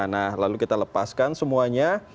nah lalu kita lepaskan semuanya